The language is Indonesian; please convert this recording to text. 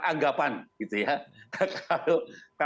kalau anggapan menurut saya boleh saja